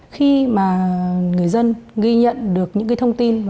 khi mà người dân ghi nhận được những cái thông tin